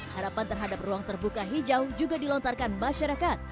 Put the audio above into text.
harapan terhadap ruang terbuka hijau juga dilontarkan masyarakat